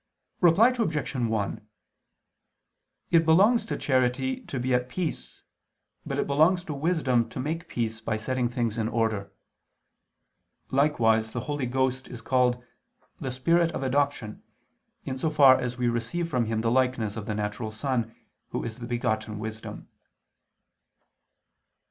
Reply Obj. 1: It belongs to charity to be at peace, but it belongs to wisdom to make peace by setting things in order. Likewise the Holy Ghost is called the "Spirit of adoption" in so far as we receive from Him the likeness of the natural Son, Who is the Begotten Wisdom.